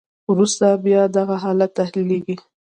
وروسته بیا دغه حالت تحلیلیږي.